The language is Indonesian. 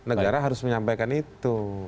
negara harus menyampaikan itu